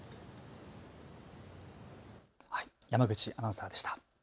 山口アナウンサーでした。